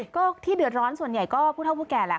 ก็ที่เดือดร้อนส่วนใหญ่ก็ผู้เท่าผู้แก่แหละ